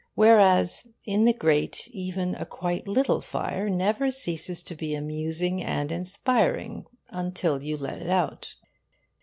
Whereas in the grate even a quite little fire never ceases to be amusing and inspiring until you let it out.